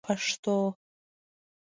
پښتو